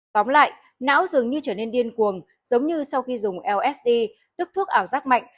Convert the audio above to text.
tóm lại não dường như trở nên điên cuồng giống như sau khi dùng lst tức thuốc ảo giác mạnh